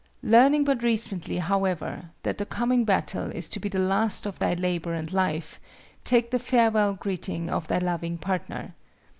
Learning but recently, however, that the coming battle is to be the last of thy labor and life, take the farewell greeting of thy loving partner.